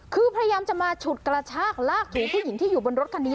คือพยายามจะมาฉุดกระชากลากถูผู้หญิงที่อยู่บนรถคันนี้